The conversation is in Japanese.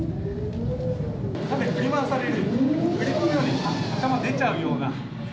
かなり振り回される振り子のように頭が出ちゃうような。